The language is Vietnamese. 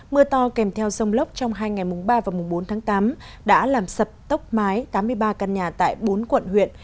mưa to kèm theo rông lốc trong hai ngày mùng ba và mùng bốn tháng tám đã làm sập tốc mái tám mươi ba căn nhà tại bốn quận huyện